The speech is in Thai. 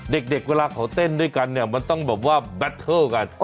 เด็กเวลาเขาเต้นด้วยกันมันต้องแบตเทิลกัน